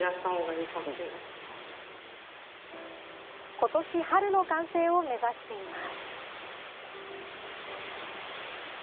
今年春の完成を目指しています。